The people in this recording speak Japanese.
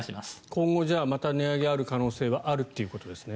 今後また値上げがある可能性はあるということですね。